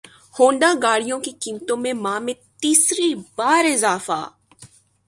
Honda گاڑیوں کی قیمتوں میں ماہ میں تیسری بار اضافہ